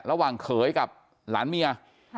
ระหว่างเขยกับหลานเมีย